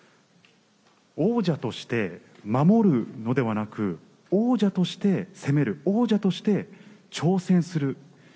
王者として守るのではなく、王者として攻める、王者として挑戦する。